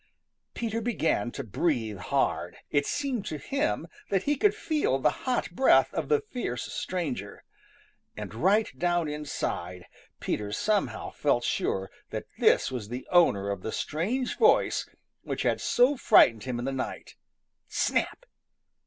Peter began to breathe hard. It seemed to him that he could feel the hot breath of the fierce stranger. And right down inside, Peter somehow felt sure that this was the owner of the strange voice which had so frightened him in the night. Snap!